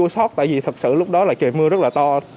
và vui sót tại vì thật sự lúc đó là trời mưa rất là to